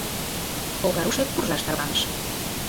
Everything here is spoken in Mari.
Огарушек куржаш тарваныш.